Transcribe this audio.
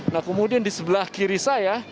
nah kemudian di sebelah kiri saya